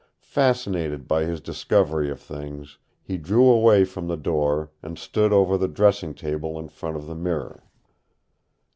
Fascinated by his discovery of things, he drew away from the door and stood over the dressing table in front of the mirror.